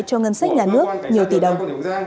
cho ngân sách nhà nước nhiều tỷ đồng